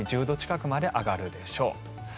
１０度近くまで上がるでしょう。